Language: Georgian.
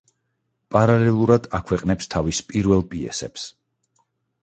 პარალელურად აქვეყნებს თავის პირველ პიესებს.